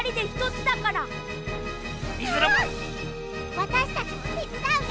わたしたちもてつだうよ。